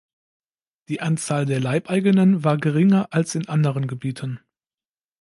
Die Anzahl der Leibeigenen war geringer als in anderen Gebieten.